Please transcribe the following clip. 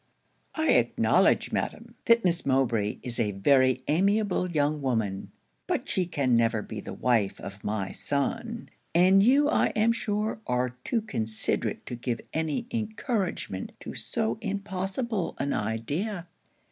'I acknowledge, madam, that Miss Mowbray is a very amiable young woman; but she never can be the wife of my son; and you I am sure are too considerate to give any encouragement to so impossible an idea.'